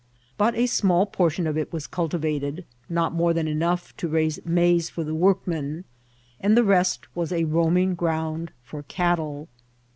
But a small portion of it was cultiyated, not more than enough to raise maiae for the workmen, and the rest was a roaming ground for cattle.